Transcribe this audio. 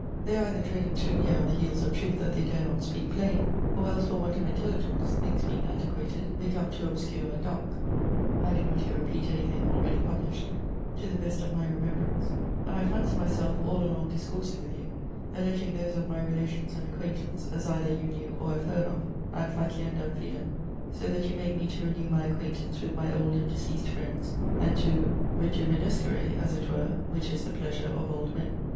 they either treading too neer on the heeles of trueth that they dare not speake plaine, or els for want of intelligence (things being antiquated) become too obscure and darke! I doe not here repeat any thing already published (to the best of my remembrance) and I fancy my selfe all along discourseing with you; alledgeing those of my relations and acquaintance (as either you knew or have heerd of) ad faciendam fidem: so that you make me to renew my acquaintance with my old and deceased friends, and to rejuvenescere (as it were) which is the pleasure of old men.